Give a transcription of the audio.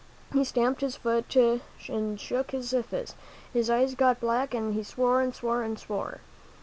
He stamped his foot and shook his fist; his eyes got black, and he swore and swore and swore.